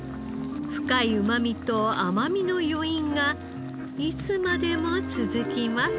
深いうまみと甘みの余韻がいつまでも続きます。